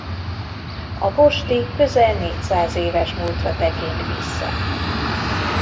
A Posti közel négyszáz éves múltra tekint vissza.